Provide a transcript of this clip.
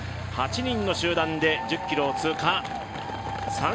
８人の集団で１０ｋｍを通過。